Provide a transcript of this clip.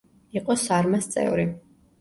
იყო „სარმას“ წევრი.